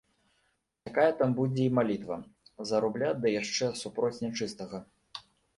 Такая там будзе і малітва, за рубля ды яшчэ супроць нячыстага.